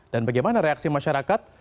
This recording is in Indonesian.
dan bagaimana reaksi masyarakat